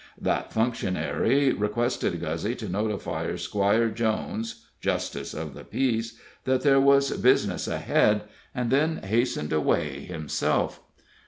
That functionary requested Guzzy to notify Squire Jones, justice of the peace, that there was business ahead, and then hastened away himself.